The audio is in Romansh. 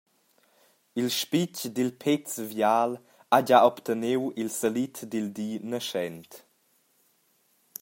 Il spitg dil Péz Vial ha gia obteniu il salid dil di naschent.